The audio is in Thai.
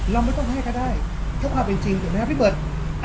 เราไม่ต้องให้ก็ได้ถ้าว่าเป็นจริงเห็นไหมฮะพี่เบิร์ดอ่ะ